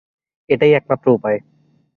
এটাই একমাত্র উপায়।